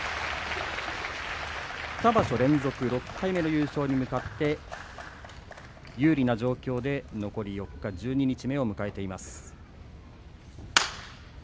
２場所連続６回目の優勝に向かって有利な状況で十二日目を迎えています。